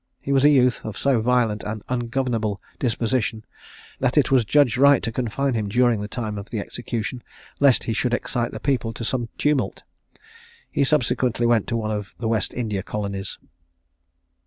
He was a youth of so violent and ungovernable a disposition, that it was judged right to confine him during the time of the execution, lest he should excite the people to some tumult. He subsequently went to one of the West India colonies.